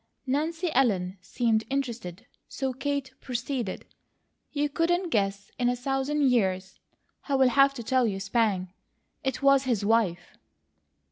Nancy Ellen seemed interested so Kate proceeded: "You couldn't guess in a thousand years. I'll have to tell you spang! It was his wife."